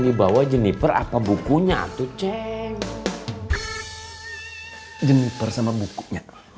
dibawa jeniper apa bukunya tuh ceng jemper sama bukunya